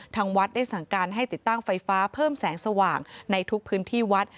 ทางวัดได้สั่งการให้ติดตั้งไฟฟ้าเพิ่มแสงสว่างในทุกพื้นที่วัด